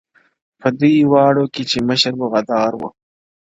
• په دوی واړو کي چي مشر وو غدار وو -